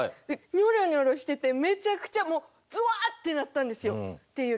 ニョロニョロしててめちゃくちゃもうゾワーッってなったんですよ。